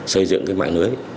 xây dựng mạng lưới